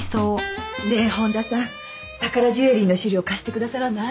ねえ本田さん宝ジュエリーの資料貸してくださらない？